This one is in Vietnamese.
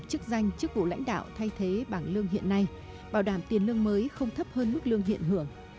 chức danh chức vụ lãnh đạo thay thế bảng lương hiện nay bảo đảm tiền lương mới không thấp hơn mức lương hiện hưởng